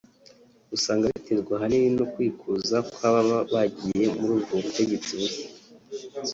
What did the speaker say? usanga biterwa ahanini no kwikuza kw’ababa bagiye mur’ubwo butegetsi bushya